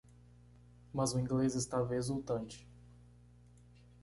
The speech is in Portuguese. Mas o inglês estava exultante.